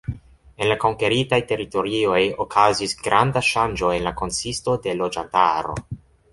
En la konkeritaj teritorioj okazis granda ŝanĝo en la konsisto de loĝantaro.